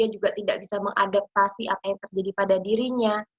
dia juga tidak bisa mengadaptasi apa yang terjadi pada dirinya